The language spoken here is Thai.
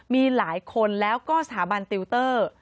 มีหลายคนแล้วก็สถาบันติวเตอร์